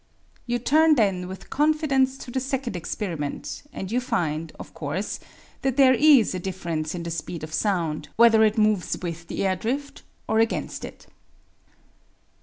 You turn then with confidence to the second experiment and you find, of course, that there is a difference in the speed of sound whether it moves with the air drift or against it.